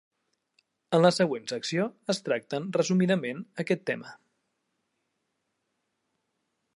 En la següent secció es tracten resumidament aquest tema.